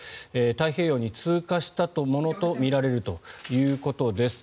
太平洋に通過したものとみられるということです。